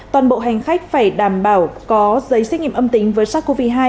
toàn bộ hành khách phải đảm bảo có giấy xét nghiệm âm tính với sars cov hai